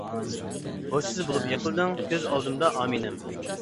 ھوشسىز بولۇپ يىقىلدىڭ، كۆز ئالدىمدا ئامىنەم.